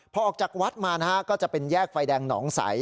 พอออกจากวัดมานะฮะก็จะเป็นแยกไฟแดงหนองใส